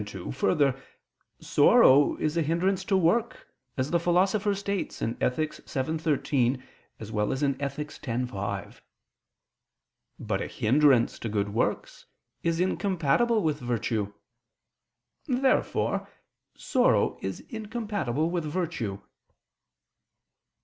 2: Further, sorrow is a hindrance to work, as the Philosopher states (Ethic. vii, 13; x, 5). But a hindrance to good works is incompatible with virtue. Therefore sorrow is incompatible with virtue.